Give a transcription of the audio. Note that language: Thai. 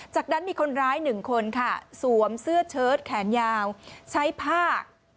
จากนั้นมีคนร้ายหนึ่งคนค่ะสวมเสื้อเชิดแขนยาวใช้ผ้า